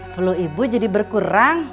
flu ibu jadi berkurang